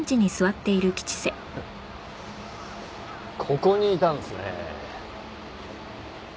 ここにいたんですね。